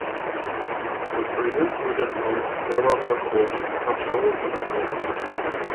Прадпрыемствы лясной, дрэваапрацоўчай, харчовай прамысловасці.